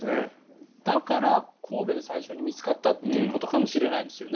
だから、神戸で最初に見つかったということかもしれないですよね。